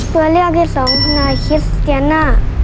เจ้าของธอมคือใคร